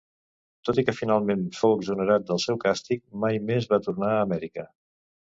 Tot i que finalment fou exonerat del seu càstig mai més va tornar a Amèrica.